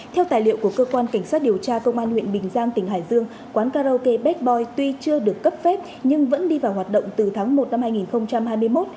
theo tài liệu của cơ quan cảnh sát điều tra công an huyện bình giang tỉnh hải dương quán karaoke batboy tuy chưa được cấp phép nhưng vẫn đi vào hoạt động từ tháng một năm hai nghìn hai mươi một